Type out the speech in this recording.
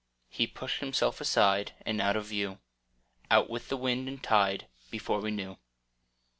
He pushed himself aside And out of view: Out with the wind and tide. Before we knew.